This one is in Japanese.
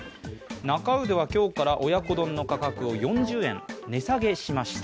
なか卯では今日から親子丼の価格を４０円値下げしました。